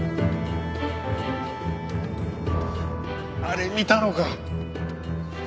あれ見たのか。